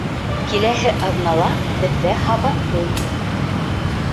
...Киләһе аҙнала беҙҙә һабантуй.